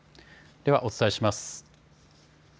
ではお伝えします。